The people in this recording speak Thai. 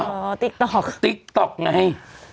อ๋อันไหน